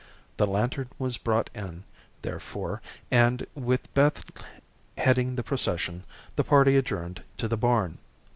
The lantern was brought in, therefore, and, with Beth heading the procession, the party adjourned to the barn.